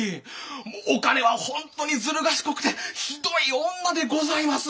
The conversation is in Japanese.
もうお兼は本当にずる賢くてひどい女でございます！